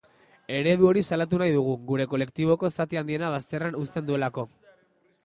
Eredu hori salatu nahi dugu, gure kolektiboko zati handiena bazterrean uzten duelako.